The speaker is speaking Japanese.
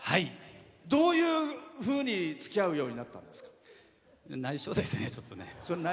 どういうふうにつきあうようになったんですか？